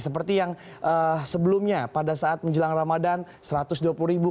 seperti yang sebelumnya pada saat menjelang ramadan satu ratus dua puluh ribu